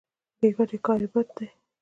بې ګټې کار بد دی.